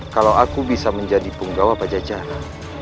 kalau aku bisa menjadi punggawa pajajaran